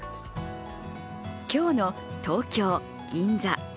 今日の東京・銀座。